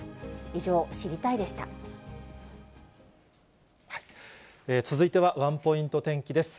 以上、続いてはワンポイント天気です。